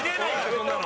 そんなの。